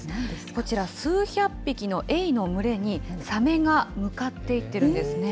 こちら数百匹のエイの群れに、サメが向かっていっているんですね。